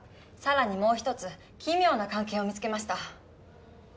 更にもうひとつ奇妙な関係を見つけました。